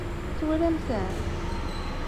Twalamt-tent?